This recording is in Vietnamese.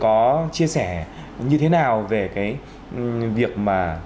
có chia sẻ như thế nào về cái việc mà